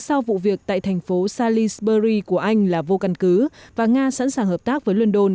sau vụ việc tại thành phố salisbury của anh là vô căn cứ và nga sẵn sàng hợp tác với london